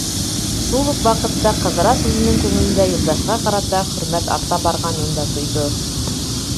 Шул уҡ ваҡытта Ҡыҙырас үҙенең күңелендә Юлдашҡа ҡарата хөрмәт арта барғанын да тойҙо.